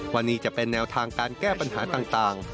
วันนี้จะเป็นแนวทางการแก้ปัญหาต่าง